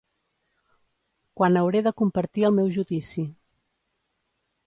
Quan hauré de compartir el meu judici.